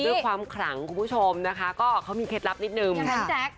ด้วยความขลังคุณผู้ชมนะคะก็เขามีเคล็ดลับนิดนึง